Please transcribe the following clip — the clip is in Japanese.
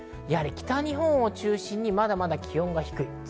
北日本を中心にまだまだ気温が低い。